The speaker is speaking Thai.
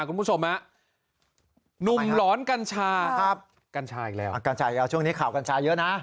คุณผู้ชมฮะหนุ่มหลอนกัญชาครับกัญชาอีกแล้วอ่ะกัญชาอีกช่วงนี้ข่าวกัญชาเยอะนะ